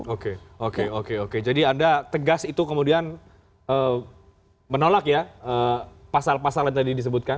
oke oke oke oke jadi anda tegas itu kemudian menolak ya pasal pasal yang tadi disebutkan